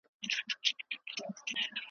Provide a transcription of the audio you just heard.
رسول الله صلی الله عليه وسلم به مشوره کوله.